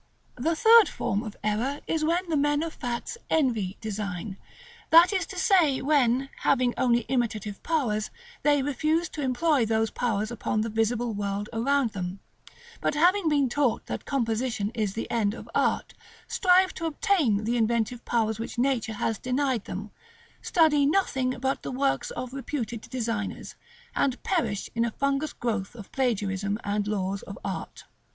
§ XLVIII. The third form of error is when the men of facts envy design: that is to say, when, having only imitative powers, they refuse to employ those powers upon the visible world around them; but, having been taught that composition is the end of art, strive to obtain the inventive powers which nature has denied them, study nothing but the works of reputed designers, and perish in a fungous growth of plagiarism and laws of art.